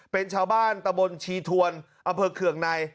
เป็นชาวบ้านตะบลชีทวนอเผิกเคืองไน